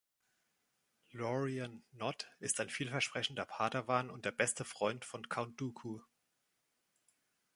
Lorian Nod ist ein vielversprechender Padawan und der beste Freund von Count Dooku.